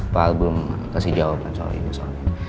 pak album kasih jawaban soalnya